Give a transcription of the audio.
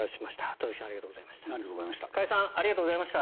田崎さん、加谷さんありがとうございました。